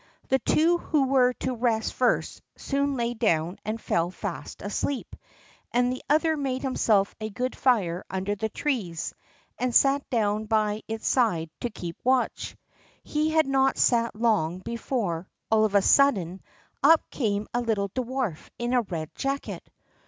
The two who were to rest first soon lay down and fell fast asleep; and the other made himself a good fire under the trees, and sat down by its side to keep watch. He had not sat long before, all of a sudden, up came a little dwarf in a red jacket.